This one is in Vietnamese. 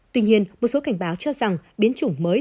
tuy nhiên một số cảnh báo cho rằng biến chủng mới